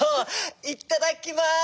いっただきます！